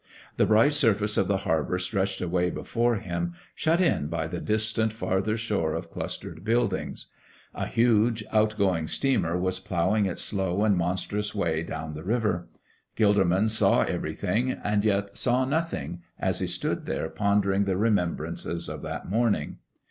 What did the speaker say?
The bright surface of the harbor stretched away before him, shut in by the distant farther shore of clustered buildings. A huge out going steamer was ploughing its slow and monstrous way down the river. Gilderman saw everything and yet saw nothing as he stood there pondering the remembrances of that morning.